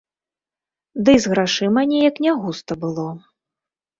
Ды і з грашыма неяк не густа было.